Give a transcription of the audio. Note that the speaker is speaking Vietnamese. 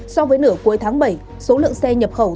so với nửa cuối tháng bảy số lượng xe nhập khẩu